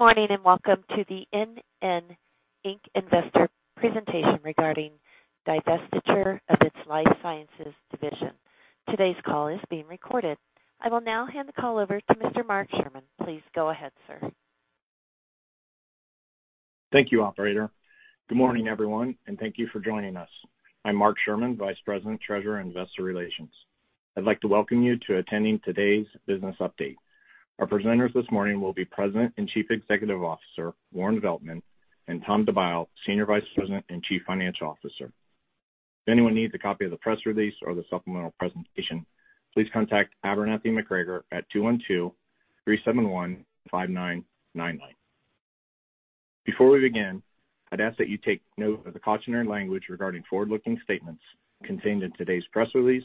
Good morning and welcome to the NN, Inc. investor presentation regarding divestiture of its Life Sciences division. Today's call is being recorded. I will now hand the call over to Mr. Mark Sherman. Please go ahead, sir. Thank you, operator. Good morning, everyone, and thank you for joining us. I'm Mark Sherman, Vice President, Treasurer and Investor Relations. I'd like to welcome you to attending today's business update. Our presenters this morning will be President and Chief Executive Officer Warren Veltman and Tom Dabrowski, Senior Vice President and Chief Financial Officer. If anyone needs a copy of the press release or the supplemental presentation, please contact Abernathy McGregor at 212-371-5999. Before we begin, I'd ask that you take note of the cautionary language regarding forward-looking statements contained in today's press release,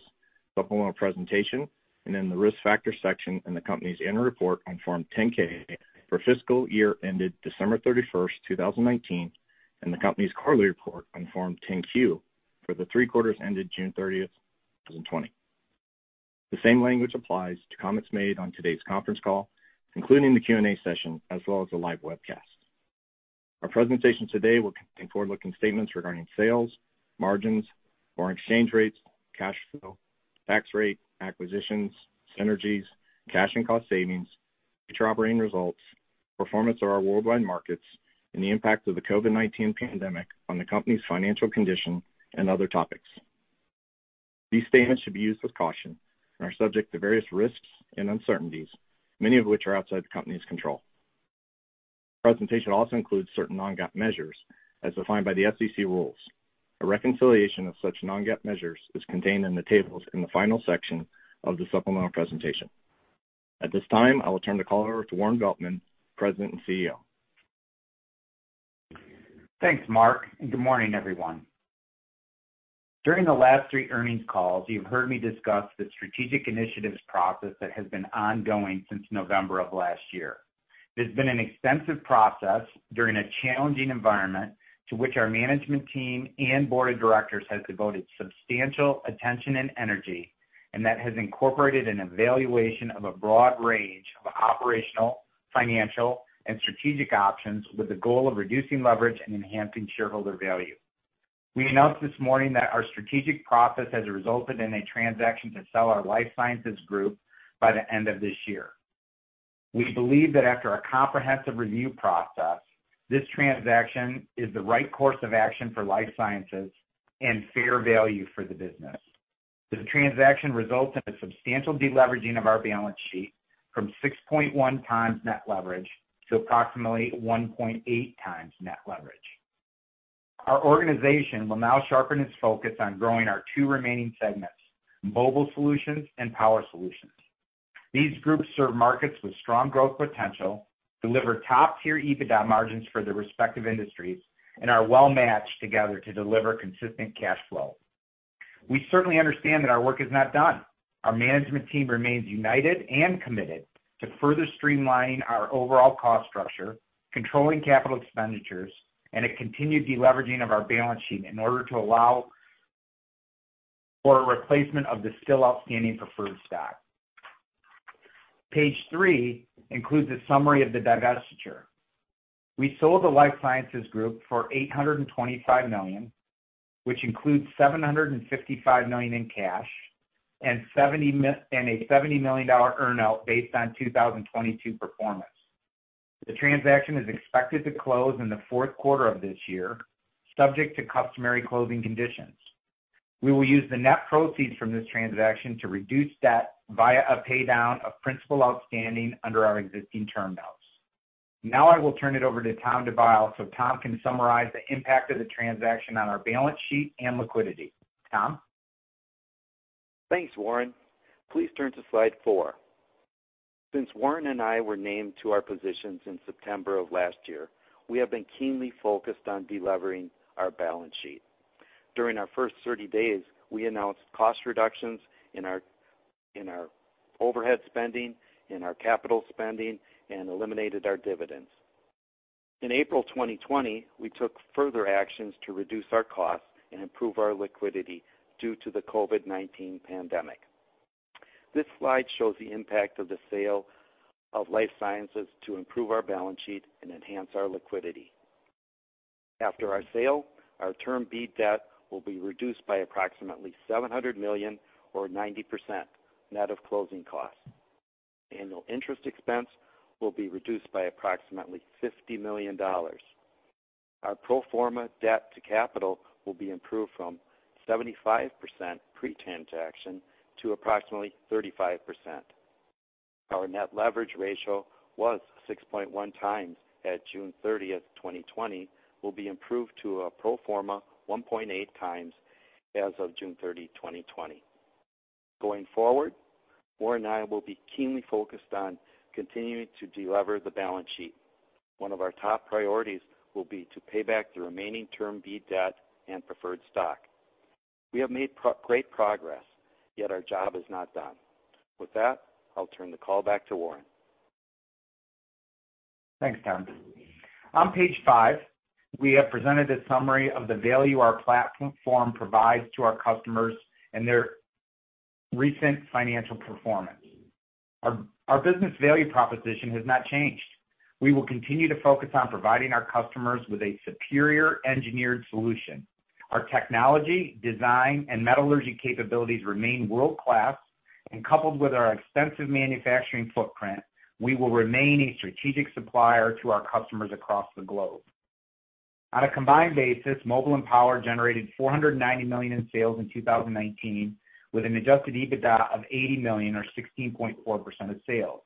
supplemental presentation, and then the risk factor section in the company's annual report on Form 10-K for fiscal year ended December 31, 2019, and the company's quarterly report on Form 10-Q for the three quarters ended June 30, 2020. The same language applies to comments made on today's conference call, including the Q&A session, as well as the live webcast. Our presentation today will contain forward-looking statements regarding sales, margins, foreign exchange rates, cash flow, tax rate, acquisitions, synergies, cash and cost savings, future operating results, performance of our worldwide markets, and the impact of the COVID-19 pandemic on the company's financial condition and other topics. These statements should be used with caution and are subject to various risks and uncertainties, many of which are outside the company's control. The presentation also includes certain non-GAAP measures as defined by the SEC rules. A reconciliation of such non-GAAP measures is contained in the tables in the final section of the supplemental presentation. At this time, I will turn the call over to Warren Veltman, President and CEO. Thanks, Mark, and good morning, everyone. During the last three earnings calls, you've heard me discuss the strategic initiatives process that has been ongoing since November of last year. It has been an extensive process during a challenging environment to which our management team and board of directors have devoted substantial attention and energy, and that has incorporated an evaluation of a broad range of operational, financial, and strategic options with the goal of reducing leverage and enhancing shareholder value. We announced this morning that our strategic process has resulted in a transaction to sell our Life Sciences Group by the end of this year. We believe that after a comprehensive review process, this transaction is the right course of action for Life Sciences and fair value for the business. The transaction results in a substantial deleveraging of our balance sheet from 6.1 times net leverage to approximately 1.8 times net leverage. Our organization will now sharpen its focus on growing our two remaining segments, Mobile Solutions and Power Solutions. These groups serve markets with strong growth potential, deliver top-tier EBITDA margins for their respective industries, and are well matched together to deliver consistent cash flow. We certainly understand that our work is not done. Our management team remains united and committed to further streamlining our overall cost structure, controlling capital expenditures, and a continued deleveraging of our balance sheet in order to allow for a replacement of the still outstanding preferred stock. Page three includes a summary of the divestiture. We sold the Life Sciences Group for $825 million, which includes $755 million in cash and a $70 million earnout based on 2022 performance. The transaction is expected to close in the fourth quarter of this year, subject to customary closing conditions. We will use the net proceeds from this transaction to reduce debt via a paydown of principal outstanding under our existing term notes. Now I will turn it over to Tom Dabrowski so Tom can summarize the impact of the transaction on our balance sheet and liquidity. Tom? Thanks, Warren. Please turn to slide four. Since Warren and I were named to our positions in September of last year, we have been keenly focused on delivering our balance sheet. During our first 30 days, we announced cost reductions in our overhead spending, in our capital spending, and eliminated our dividends. In April 2020, we took further actions to reduce our costs and improve our liquidity due to the COVID-19 pandemic. This slide shows the impact of the sale of Life Sciences to improve our balance sheet and enhance our liquidity. After our sale, our term B debt will be reduced by approximately $700 million or 90% net of closing costs. Annual interest expense will be reduced by approximately $50 million. Our pro forma debt to capital will be improved from 75% pre-transaction to approximately 35%. Our net leverage ratio was 6.1 times at June 30, 2020, will be improved to a pro forma 1.8 times as of June 30, 2020. Going forward, Warren and I will be keenly focused on continuing to deliver the balance sheet. One of our top priorities will be to pay back the remaining term B debt and preferred stock. We have made great progress, yet our job is not done. With that, I'll turn the call back to Warren. Thanks, Tom. On page five, we have presented a summary of the value our platform provides to our customers and their recent financial performance. Our business value proposition has not changed. We will continue to focus on providing our customers with a superior engineered solution. Our technology, design, and metallurgy capabilities remain world-class, and coupled with our extensive manufacturing footprint, we will remain a strategic supplier to our customers across the globe. On a combined basis, mobile and power generated $490 million in sales in 2019, with an adjusted EBITDA of $80 million, or 16.4% of sales.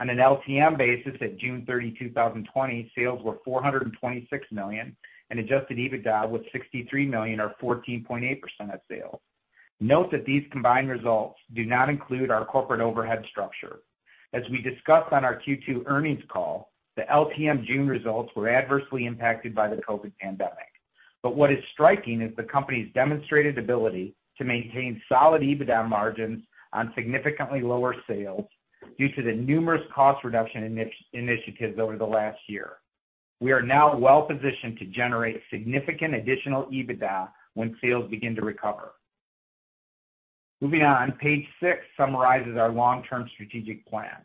On an LTM basis, at June 30, 2020, sales were $426 million, and adjusted EBITDA was $63 million, or 14.8% of sales. Note that these combined results do not include our corporate overhead structure. As we discussed on our Q2 earnings call, the LTM June results were adversely impacted by the COVID pandemic. What is striking is the company's demonstrated ability to maintain solid EBITDA margins on significantly lower sales due to the numerous cost reduction initiatives over the last year. We are now well positioned to generate significant additional EBITDA when sales begin to recover. Moving on, page six summarizes our long-term strategic plan.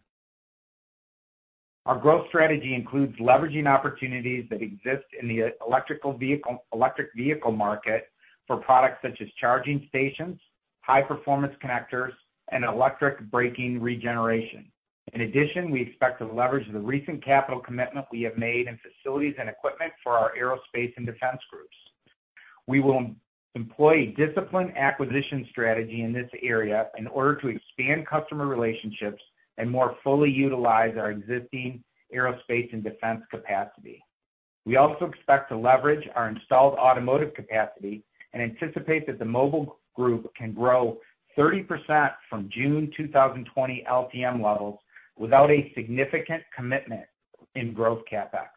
Our growth strategy includes leveraging opportunities that exist in the electric vehicle market for products such as charging stations, high-performance connectors, and electric braking regeneration. In addition, we expect to leverage the recent capital commitment we have made in facilities and equipment for our aerospace and defense groups. We will employ a disciplined acquisition strategy in this area in order to expand customer relationships and more fully utilize our existing aerospace and defense capacity. We also expect to leverage our installed automotive capacity and anticipate that the mobile group can grow 30% from June 2020 LTM levels without a significant commitment in growth CapEx.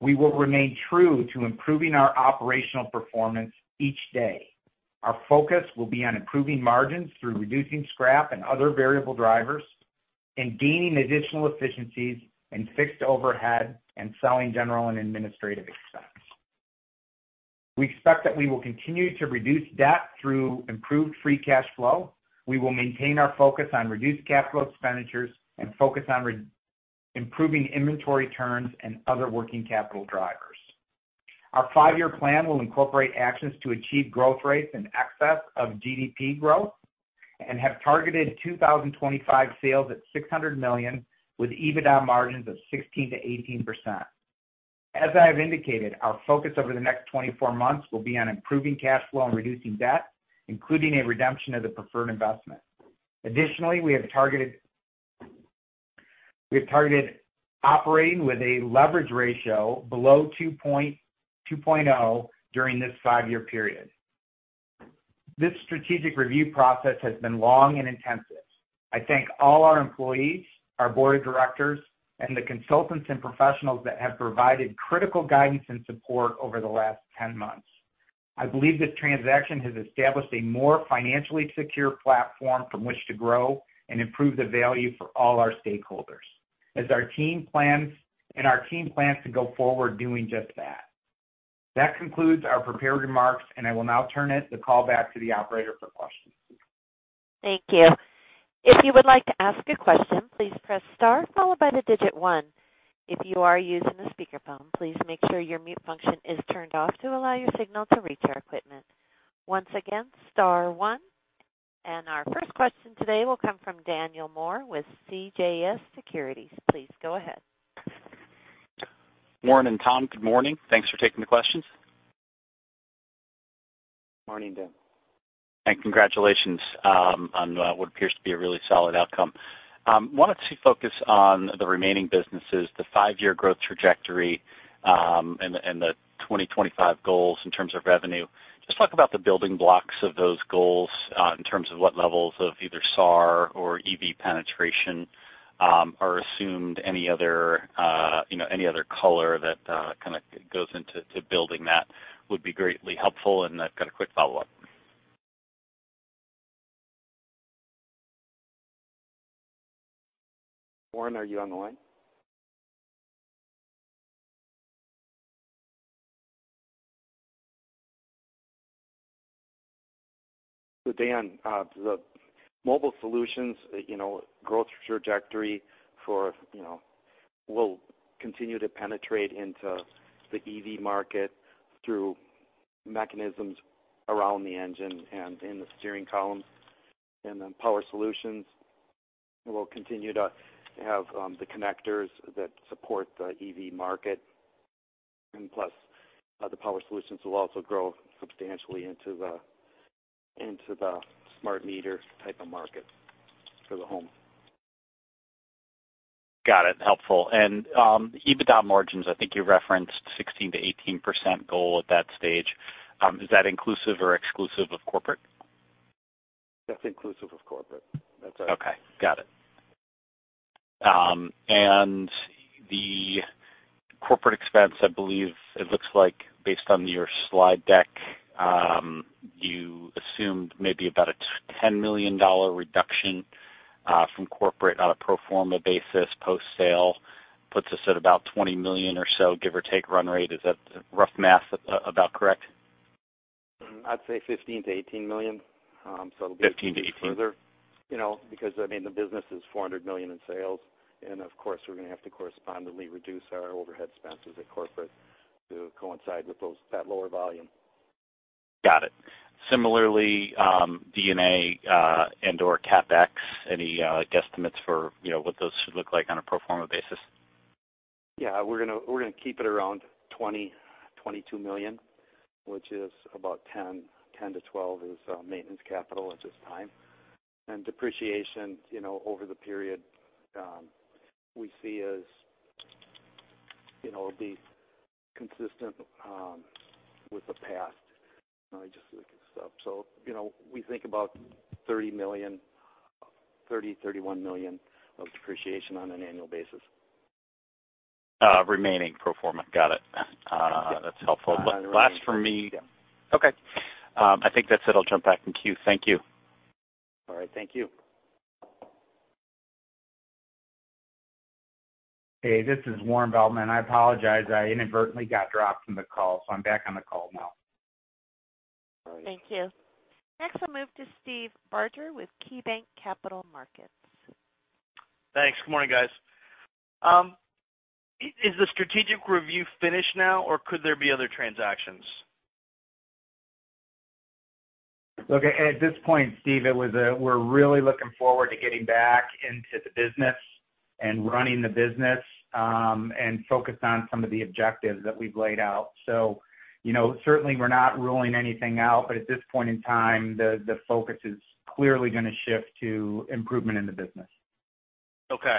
We will remain true to improving our operational performance each day. Our focus will be on improving margins through reducing scrap and other variable drivers, and gaining additional efficiencies in fixed overhead and selling general and administrative expense. We expect that we will continue to reduce debt through improved free cash flow. We will maintain our focus on reduced capital expenditures and focus on improving inventory turns and other working capital drivers. Our five-year plan will incorporate actions to achieve growth rates in excess of GDP growth and have targeted 2025 sales at $600 million with EBITDA margins of 16-18%. As I have indicated, our focus over the next 24 months will be on improving cash flow and reducing debt, including a redemption of the preferred investment. Additionally, we have targeted operating with a leverage ratio below 2.0 during this five-year period. This strategic review process has been long and intensive. I thank all our employees, our board of directors, and the consultants and professionals that have provided critical guidance and support over the last 10 months. I believe this transaction has established a more financially secure platform from which to grow and improve the value for all our stakeholders, as our team plans to go forward doing just that. That concludes our prepared remarks, and I will now turn the call back to the operator for questions. Thank you. If you would like to ask a question, please press star followed by the digit one. If you are using a speakerphone, please make sure your mute function is turned off to allow your signal to reach our equipment. Once again, star one. Our first question today will come from Daniel Moore with CJS Securities. Please go ahead. Warren and Tom, good morning. Thanks for taking the questions. Morning, Dan. Congratulations on what appears to be a really solid outcome. I wanted to focus on the remaining businesses, the five-year growth trajectory and the 2025 goals in terms of revenue. Just talk about the building blocks of those goals in terms of what levels of either SAR or EV penetration are assumed, any other color that kind of goes into building that would be greatly helpful, and I've got a quick follow-up. Warren, are you on the line? Dan, the mobile solutions growth trajectory will continue to penetrate into the EV market through mechanisms around the engine and in the steering columns. Power solutions will continue to have the connectors that support the EV market. Plus, the power solutions will also grow substantially into the smart meter type of market for the home. Got it. Helpful. And EBITDA margins, I think you referenced 16-18% goal at that stage. Is that inclusive or exclusive of corporate? That's inclusive of corporate. That's right. Okay. Got it. The corporate expense, I believe it looks like based on your slide deck, you assumed maybe about a $10 million reduction from corporate on a pro forma basis post-sale, puts us at about $20 million or so, give or take run rate. Is that rough math about correct? I'd say $15 million to $18 million. It'll be a little further. 15 to 18? Because, I mean, the business is $400 million in sales. Of course, we're going to have to correspondently reduce our overhead expenses at corporate to coincide with that lower volume. Got it. Similarly, D&A and/or CapEx, any guesstimates for what those should look like on a pro forma basis? Yeah. We're going to keep it around $20-$22 million, which is about $10-$12 million is maintenance capital at this time. Depreciation over the period we see as it'll be consistent with the past. Let me just look at stuff. We think about $30-$31 million of depreciation on an annual basis. Remaining pro forma. Got it. That's helpful. All right. Last for me. Yeah. Okay. I think that's it. I'll jump back in queue. Thank you. All right. Thank you. Hey, this is Warren Veltman. I apologize. I inadvertently got dropped from the call, so I'm back on the call now. All right. Thank you. Next, we'll move to Steve Barger with KeyBank Capital Markets. Thanks. Good morning, guys. Is the strategic review finished now, or could there be other transactions? At this point, Steve, we're really looking forward to getting back into the business and running the business and focused on some of the objectives that we've laid out. Certainly, we're not ruling anything out, but at this point in time, the focus is clearly going to shift to improvement in the business. Okay.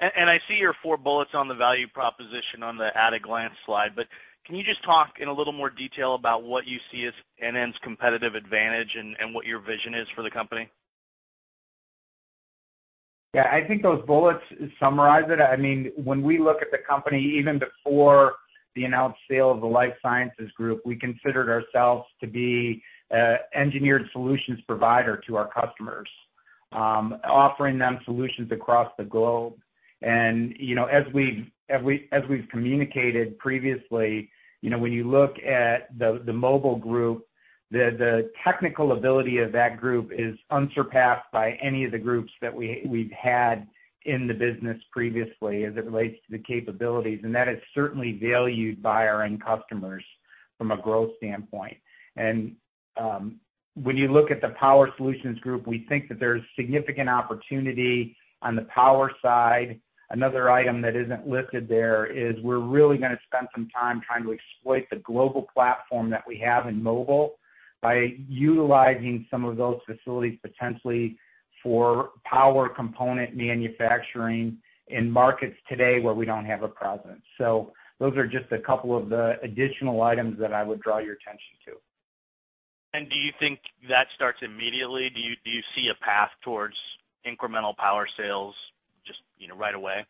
I see your four bullets on the value proposition on the at-a-glance slide, but can you just talk in a little more detail about what you see as NN's competitive advantage and what your vision is for the company? Yeah. I think those bullets summarize it. I mean, when we look at the company, even before the announced sale of the Life Sciences Group, we considered ourselves to be an engineered solutions provider to our customers, offering them solutions across the globe. As we've communicated previously, when you look at the Mobile group, the technical ability of that group is unsurpassed by any of the groups that we've had in the business previously as it relates to the capabilities. That is certainly valued by our end customers from a growth standpoint. When you look at the Power Solutions group, we think that there is significant opportunity on the power side. Another item that isn't listed there is we're really going to spend some time trying to exploit the global platform that we have in Mobile by utilizing some of those facilities potentially for Power component manufacturing in markets today where we don't have a presence. Those are just a couple of the additional items that I would draw your attention to. Do you think that starts immediately? Do you see a path towards incremental power sales just right away?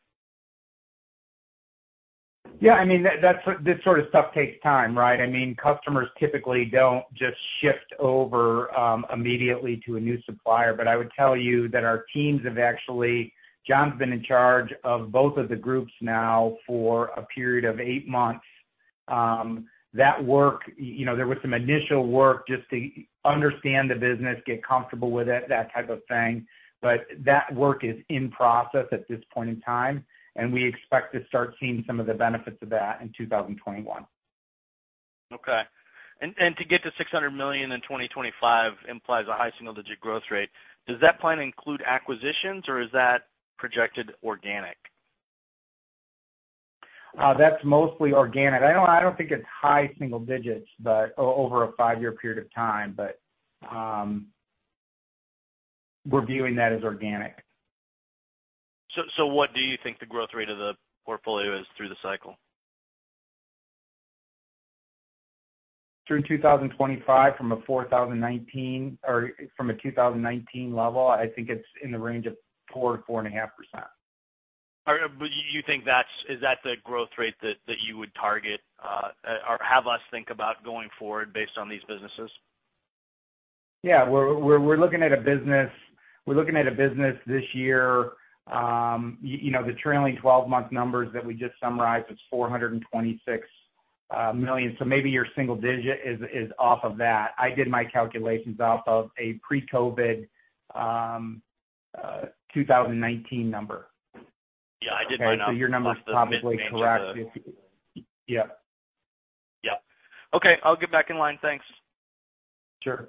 Yeah. I mean, that sort of stuff takes time, right? I mean, customers typically do not just shift over immediately to a new supplier, but I would tell you that our teams have actually, John's been in charge of both of the groups now for a period of eight months. That work, there was some initial work just to understand the business, get comfortable with it, that type of thing. That work is in process at this point in time, and we expect to start seeing some of the benefits of that in 2021. Okay. To get to $600 million in 2025 implies a high single-digit growth rate. Does that plan include acquisitions, or is that projected organic? That's mostly organic. I don't think it's high single digits over a five-year period of time, but we're viewing that as organic. What do you think the growth rate of the portfolio is through the cycle? Through 2025, from a 2019 level, I think it's in the range of 4-4.5%. Do you think that's—is that the growth rate that you would target or have us think about going forward based on these businesses? Yeah. We're looking at a business—we're looking at a business this year. The trailing 12-month numbers that we just summarized was $426 million. Maybe your single digit is off of that. I did my calculations off of a pre-COVID 2019 number. Yeah. I did mine off of the 2019. Your number's probably correct if you— yeah. Yep. Okay. I'll get back in line. Thanks. Sure.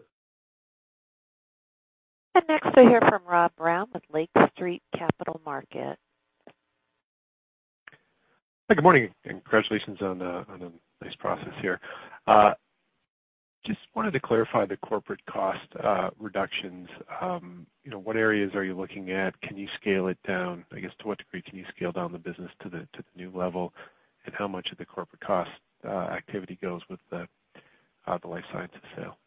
Next, we'll hear from Rob Brown with Lake Street Capital Markets. Hi. Good morning. Congratulations on a nice process here. Just wanted to clarify the corporate cost reductions. What areas are you looking at? Can you scale it down? I guess, to what degree can you scale down the business to the new level? How much of the corporate cost activity goes with the Life Sciences sale?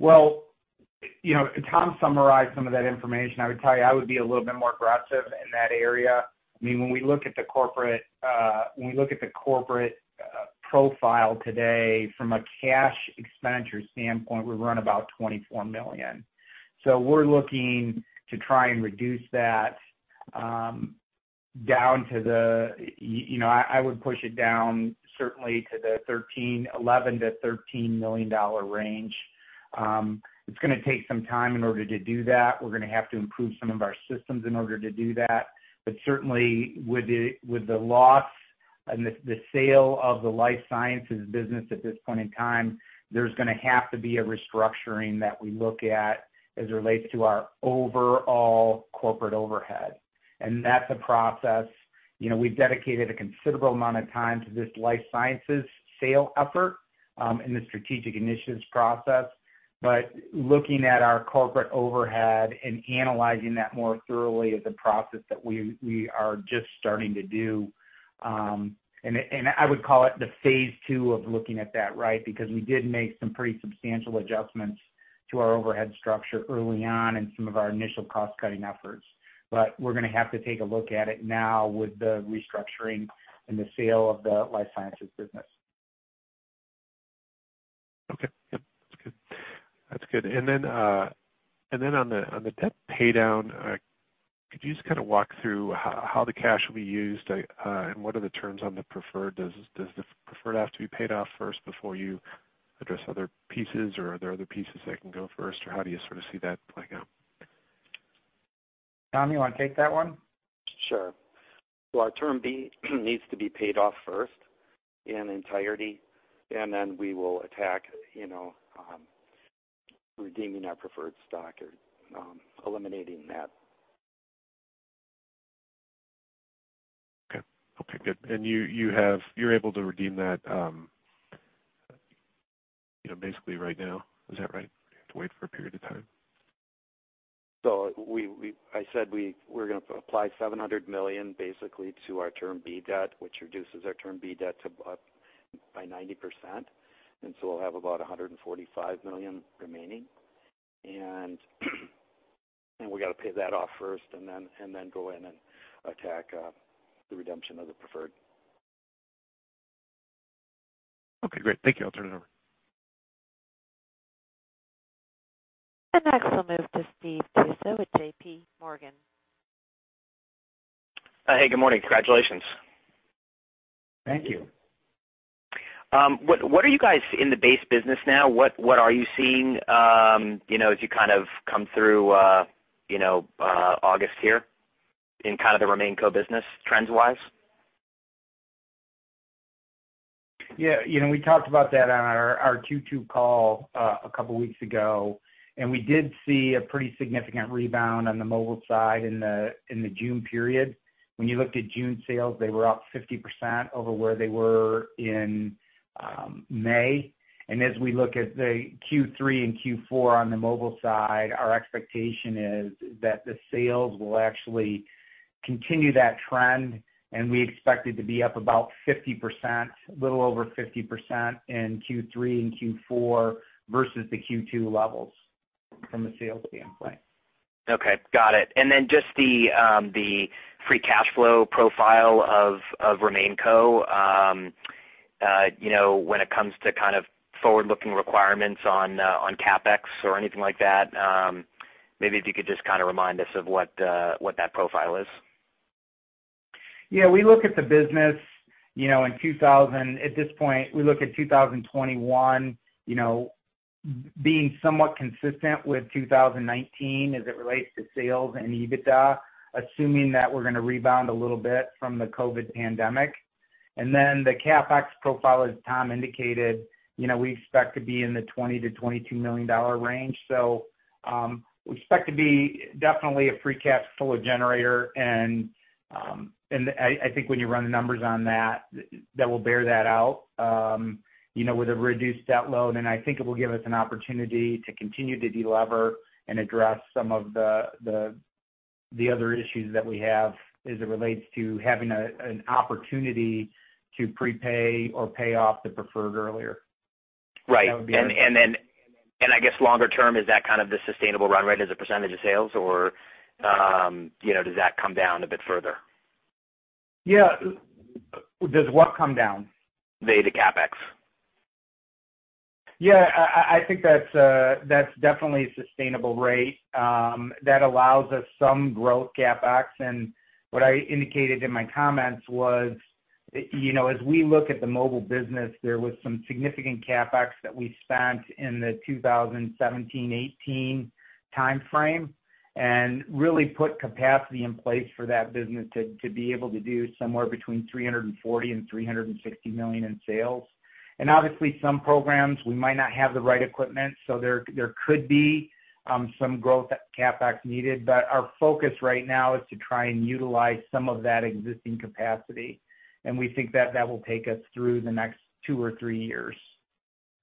Tom summarized some of that information. I would tell you I would be a little bit more aggressive in that area. I mean, when we look at the corporate—when we look at the corporate profile today, from a cash expenditure standpoint, we run about $24 million. We are looking to try and reduce that down to the—I would push it down certainly to the $11-$13 million range. It's going to take some time in order to do that. We are going to have to improve some of our systems in order to do that. Certainly, with the loss and the sale of the Life Sciences business at this point in time, there is going to have to be a restructuring that we look at as it relates to our overall corporate overhead. That is a process. We've dedicated a considerable amount of time to this life sciences sale effort in the strategic initiatives process. Looking at our corporate overhead and analyzing that more thoroughly is a process that we are just starting to do. I would call it the phase two of looking at that, right? We did make some pretty substantial adjustments to our overhead structure early on and some of our initial cost-cutting efforts. We're going to have to take a look at it now with the restructuring and the sale of the life sciences business. Okay. Yep. That's good. That's good. On the debt paydown, could you just kind of walk through how the cash will be used and what are the terms on the preferred? Does the preferred have to be paid off first before you address other pieces, or are there other pieces that can go first, or how do you sort of see that playing out? Tom, you want to take that one? Sure. Our term B needs to be paid off first in entirety, and then we will attack redeeming our preferred stock or eliminating that. Okay. Okay. Good. And you're able to redeem that basically right now? Is that right? You have to wait for a period of time? I said we're going to apply $700 million, basically, to our term B debt, which reduces our term B debt by 90%. We'll have about $145 million remaining. We got to pay that off first and then go in and attack the redemption of the preferred. Okay. Great. Thank you. I'll turn it over. Next, we'll move to Steve Tuser with JP Morgan. Hey, good morning. Congratulations. Thank you. What are you guys in the base business now? What are you seeing as you kind of come through August here in kind of the remaining co-business trends-wise? Yeah. We talked about that on our Q2 call a couple of weeks ago. We did see a pretty significant rebound on the mobile side in the June period. When you looked at June sales, they were up 50% over where they were in May. As we look at the Q3 and Q4 on the mobile side, our expectation is that the sales will actually continue that trend. We expect it to be up about 50%, a little over 50% in Q3 and Q4 versus the Q2 levels from a sales standpoint. Okay. Got it. Just the free cash flow profile of Remain Co, when it comes to kind of forward-looking requirements on CapEx or anything like that, maybe if you could just kind of remind us of what that profile is. Yeah. We look at the business in 2000. At this point, we look at 2021 being somewhat consistent with 2019 as it relates to sales and EBITDA, assuming that we're going to rebound a little bit from the COVID pandemic. The CapEx profile, as Tom indicated, we expect to be in the $20 million-$22 million range. We expect to be definitely a free cash flow generator. I think when you run the numbers on that, that will bear that out with a reduced debt load. I think it will give us an opportunity to continue to deliver and address some of the other issues that we have as it relates to having an opportunity to prepay or pay off the preferred earlier. Right. I guess longer term, is that kind of the sustainable run rate as a percentage of sales, or does that come down a bit further? Yeah. Does what come down? VA to CapEx. Yeah. I think that's definitely a sustainable rate. That allows us some growth CapEx. What I indicated in my comments was, as we look at the mobile business, there was some significant CapEx that we spent in the 2017, 2018 timeframe and really put capacity in place for that business to be able to do somewhere between $340 million and $360 million in sales. Obviously, some programs, we might not have the right equipment, so there could be some growth CapEx needed. Our focus right now is to try and utilize some of that existing capacity. We think that will take us through the next two or three years.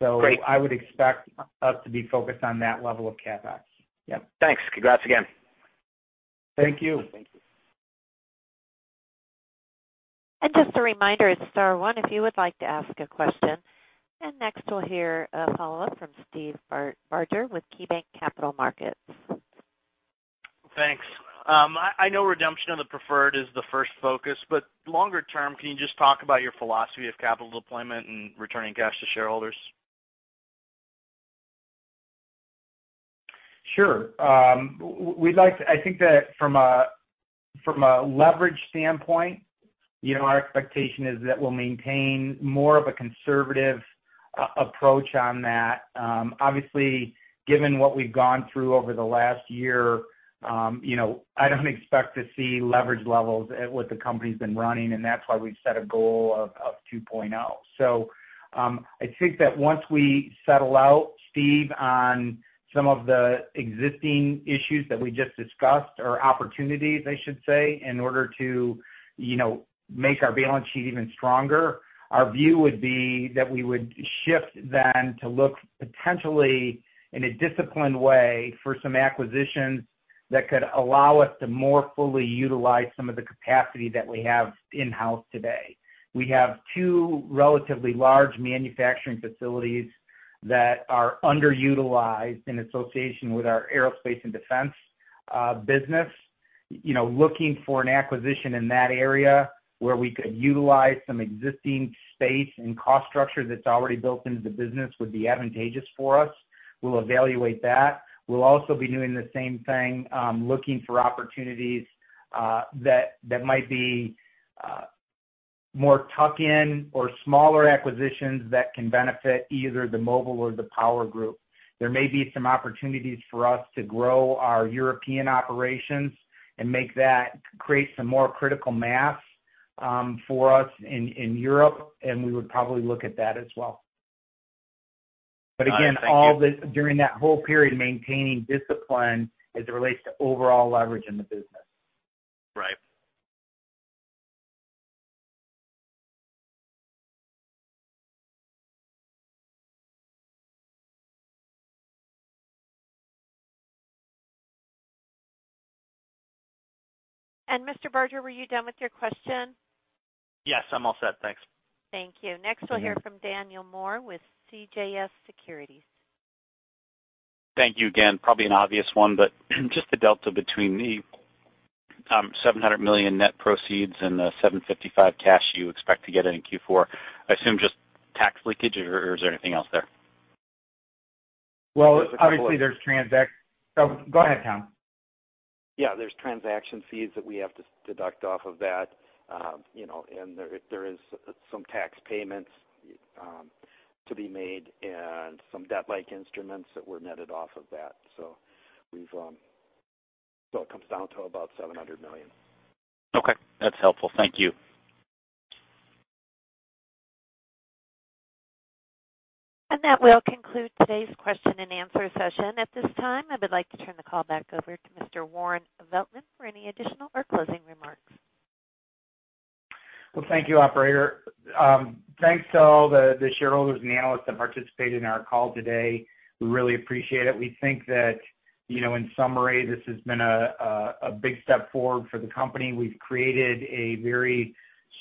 I would expect us to be focused on that level of CapEx. Yep. Thanks. Congrats again. Thank you. Just a reminder, it's Star One, if you would like to ask a question. Next, we'll hear a follow-up from Steve Barger with KeyBank Capital Markets. Thanks. I know redemption of the preferred is the first focus, but longer term, can you just talk about your philosophy of capital deployment and returning cash to shareholders? Sure. I think that from a leverage standpoint, our expectation is that we'll maintain more of a conservative approach on that. Obviously, given what we've gone through over the last year, I don't expect to see leverage levels where the company's been running, and that's why we've set a goal of 2.0. I think that once we settle out, Steve, on some of the existing issues that we just discussed or opportunities, I should say, in order to make our balance sheet even stronger, our view would be that we would shift then to look potentially in a disciplined way for some acquisitions that could allow us to more fully utilize some of the capacity that we have in-house today. We have two relatively large manufacturing facilities that are underutilized in association with our aerospace and defense business. Looking for an acquisition in that area where we could utilize some existing space and cost structure that's already built into the business would be advantageous for us. We'll evaluate that. We'll also be doing the same thing, looking for opportunities that might be more tuck-in or smaller acquisitions that can benefit either the mobile or the power group. There may be some opportunities for us to grow our European operations and create some more critical mass for us in Europe, and we would probably look at that as well. Again, during that whole period, maintaining discipline as it relates to overall leverage in the business. Right. Mr. Barger, were you done with your question? Yes. I'm all set. Thanks. Thank you. Next, we'll hear from Daniel Moore with CJS Securities. Thank you again. Probably an obvious one, but just the delta between the $700 million net proceeds and the $755 million cash you expect to get in Q4. I assume just tax leakage, or is there anything else there? Obviously, there's transaction—go ahead, Tom. Yeah. There are transaction fees that we have to deduct off of that. There are some tax payments to be made and some debt-like instruments that were netted off of that. It comes down to about $700 million. Okay. That's helpful. Thank you. That will conclude today's question and answer session. At this time, I would like to turn the call back over to Mr. Warren Veltman for any additional or closing remarks. Thank you, Operator. Thanks to all the shareholders and analysts that participated in our call today. We really appreciate it. We think that, in summary, this has been a big step forward for the company. We have created a very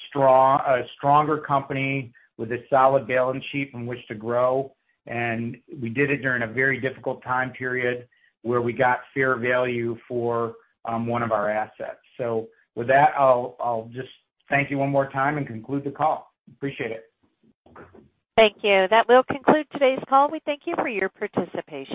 strong company with a solid balance sheet from which to grow. We did it during a very difficult time period where we got fair value for one of our assets. With that, I will just thank you one more time and conclude the call. Appreciate it. Thank you. That will conclude today's call. We thank you for your participation.